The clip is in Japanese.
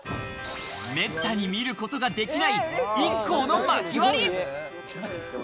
めったに見ることができないＩＫＫＯの薪割り。